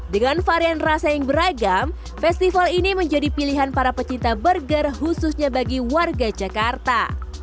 dengan varian rasa yang beragam festival ini menjadi pilihan para pecinta burger khususnya bagi warga jakarta